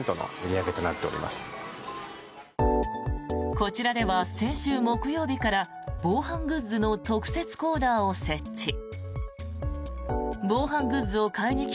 こちらでは先週木曜日から防犯グッズの特設コーナーを設置。